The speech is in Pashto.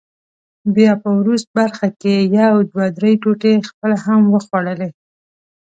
بیا په وروست برخه کې یې یو دوه درې ټوټې خپله هم وخوړلې.